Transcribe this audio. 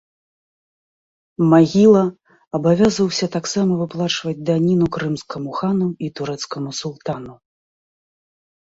Магіла абавязаўся таксама выплачваць даніну крымскаму хану і турэцкаму султану.